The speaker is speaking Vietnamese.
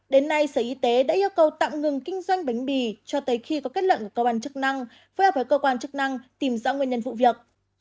đến nay sở y tế đã yêu cầu tạm ngừng kinh doanh bánh mì cho tới khi có kết luận của cơ quan chức năng phối hợp với cơ quan chức năng tìm rõ nguyên nhân vụ việc